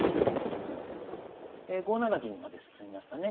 ５七銀まで進みましたね。